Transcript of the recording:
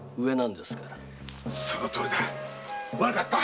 そのとおりだ悪かった。